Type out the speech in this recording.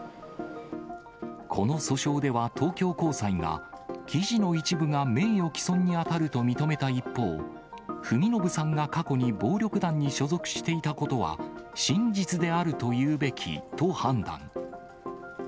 この訴訟では東京高裁が、記事の一部が名誉毀損に当たると認めた一方、文信さんが過去に暴力団に所属していたことは真実であるというべきと判断。